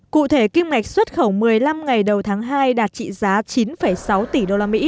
cụ thể kim ngạch xuất khẩu một mươi năm ngày đầu tháng hai đạt trị giá chín sáu tỷ usd